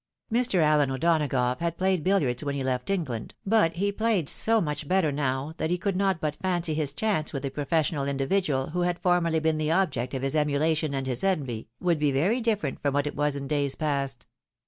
Mr. AUen O'Dona gough had played billiards when he left England, but he played so much better now, that he could not but fancy his chance with the professional individual who had formerly been the object of his emulation and his envy, would be very different from what it was in days past.